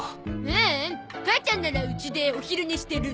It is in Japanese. ううん母ちゃんならうちでお昼寝してる。